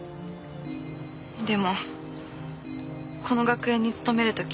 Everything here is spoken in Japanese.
でもこの学園に勤める時。